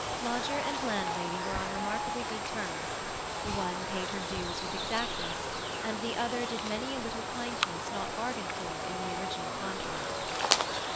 Lodger and landlady were on remarkably good terms; the one paid her dues with exactness, and the other did many a little kindness not bargained for in the original contract.